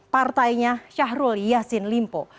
partainya syahrul yassin limpo